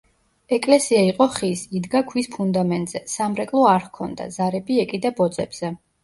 ეკლესია იყო ხის, იდგა ქვის ფუნდამენტზე, სამრეკლო არ ჰქონდა, ზარები ეკიდა ბოძებზე.